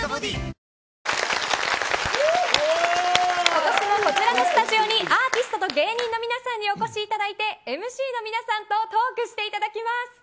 今年もこちらのスタジオにアーティストと芸人の皆さんにお越しいただいてＭＣの皆さんとトークしていただきます。